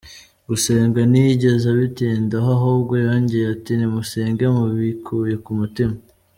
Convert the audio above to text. Gusenga ntiyigeze abitindaho ahubwo yongeyeho ati nimusenge mubikuye kumutima.